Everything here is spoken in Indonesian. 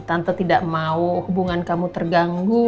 tante tidak mau hubungan kamu terganggu